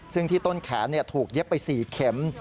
ซึ่งที่ต้นแขนถูกเย็บไป๔เข็ม